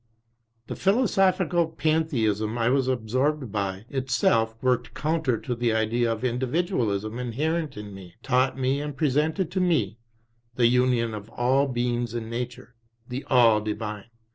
The philosophical Pantheism I was ab sorbed by, itself worked counter to the idea of individualism inherent in me, taught me and presented to me the union of all beings in Nature the All Divine.